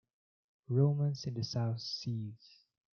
Romance in the South Seas!